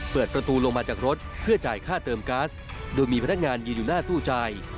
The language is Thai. เปิดประตูลงมาจากรถเพื่อจ่ายค่าเติมกัสโดยมีพนักงานยืนอยู่หน้าตู้จ่าย